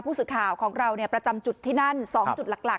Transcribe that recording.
ผู้สึกข่าวของเราเนี่ยประจำจุดที่นั่นสองจุดหลักหลัก